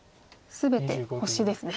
全て星ですね。